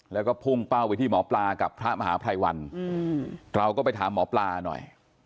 แล้วก็พุ่งเป้าไปที่หมอปลากับพระมหาภัยวันเราก็ไปถามหมอปลาหน่อย